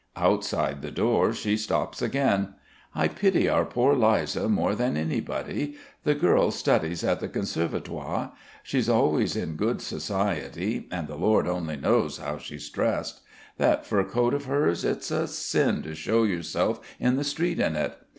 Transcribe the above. Outside the door she stops again: "I pity our poor Liza more than anybody. The girl studies at the Conservatoire. She's always in good society, and the Lord only knows how she's dressed. That fur coat of hers! It's a sin to show yourself in the street in it.